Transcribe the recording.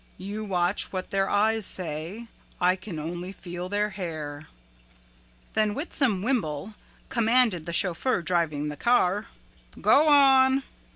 You watch what their eyes say; I can only feel their hair." Then Whitson Whimble commanded the chauffeur driving the car, "Go on."